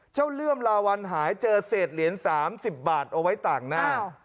เลื่อมลาวันหายเจอเศษเหรียญ๓๐บาทเอาไว้ต่างหน้า